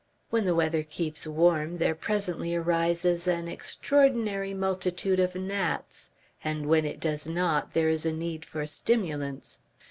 When the weather keeps warm there presently arises an extraordinary multitude of gnats, and when it does not there is a need for stimulants.